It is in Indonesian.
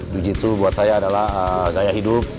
jiu jitsu buat saya adalah gaya hidup